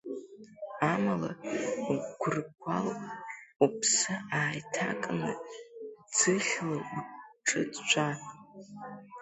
Амала, Гьыргәал, уԥсы ааиҭакны, ӡыхьла уҿы ӡәӡәа.